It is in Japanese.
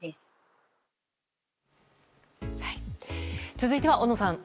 続いては、小野さん。